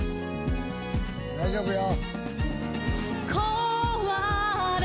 大丈夫よ。